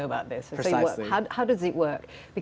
jadi bagaimana cara itu berfungsi